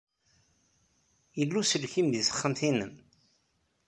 Yella uselkim deg texxamt-nnem?